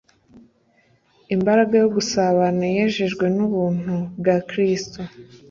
Imbaraga yo gusabana, yejejwe n’ubuntu bwa Kristo